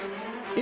え！